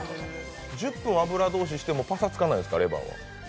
１０分油通ししてもパサつかさないんですか？